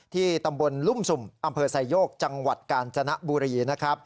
ที่ตำบลลุ่มสุ่มอำเภอไซโยกจังหวัดกาญจนบุรีนะครับ